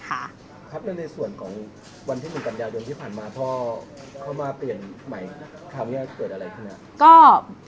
ครับแล้วในส่วนของวันที่๑กันยายนที่ผ่านมาพ่อเขามาเปลี่ยนใหม่คราวนี้เกิดอะไรขึ้นครับ